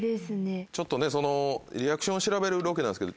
ちょっとねそのリアクション調べるロケなんですけど。